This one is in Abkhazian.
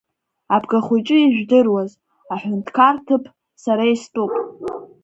Абгахәыҷы ижәдыруаз, аҳәынҭқар ҭыԥ сара истәуп.